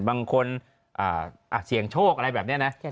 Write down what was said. บางคนเสี่ยงโชคอะไรแบบนี้นะ